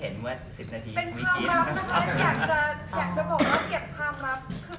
เป็นคำน้ำนะครับอยากจะบอกว่าการเก็บคำน้ำพี่กอลมันพูดความหรับความรับ